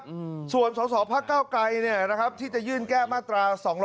ประชาชนส่วนสองพกษ์เก้าไก่ที่จะยื่นแก้มาตรา๒๗๒